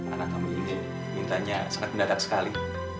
anak kami ini ditanya sangat mendadak sekali